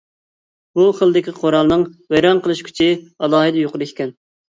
بۇ خىلدىكى قورالنىڭ ۋەيران قىلىش كۈچى ئالاھىدە يۇقىرى ئىكەن.